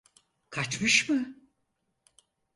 Kaçmış mı?